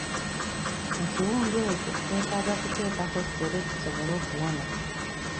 Ekiwundu ekyo kyetaaga kuteekako ssere kisobole okuwona.